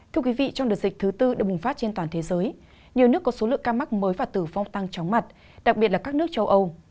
thưa quý vị trong đợt dịch thứ tư đã bùng phát trên toàn thế giới nhiều nước có số lượng ca mắc mới và tử vong tăng chóng mặt đặc biệt là các nước châu âu